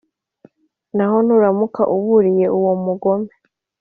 Naho nuramuka uburiye uwo mugome